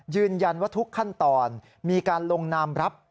ยืนยันว่าทุกขั้นตอนมีการลงนามรับ